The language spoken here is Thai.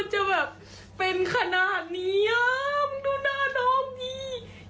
จะแบบเป็นขนาดนี้ยอมดูหน้าน้องพี่